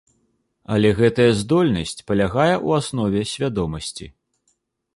Але гэтая здольнасць палягае у аснове свядомасці.